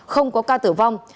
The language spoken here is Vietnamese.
không có ca tử vong